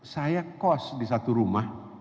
saya kos di satu rumah